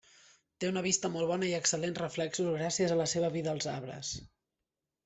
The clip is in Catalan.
Té una vista molt bona i excel·lents reflexos gràcies a la seva vida als arbres.